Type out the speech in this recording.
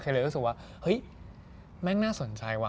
เลยรู้สึกว่าเฮ้ยแม่งน่าสนใจว่